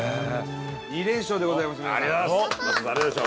２連勝でございます、皆さん。